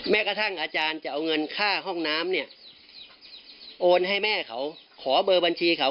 กระทั่งอาจารย์จะเอาเงินค่าห้องน้ำเนี่ยโอนให้แม่เขาขอเบอร์บัญชีเขา